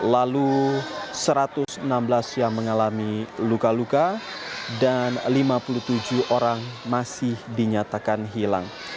lalu satu ratus enam belas yang mengalami luka luka dan lima puluh tujuh orang masih dinyatakan hilang